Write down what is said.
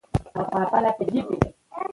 ځینې کلمې یو شان لیکل کېږي.